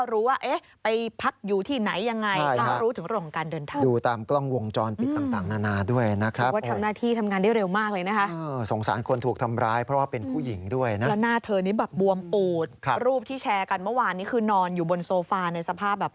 แล้วหน้าเธอนี่แบบบวมอูดรูปที่แชร์กันเมื่อวานนี่คือนอนอยู่บนโซฟาในสภาพแบบ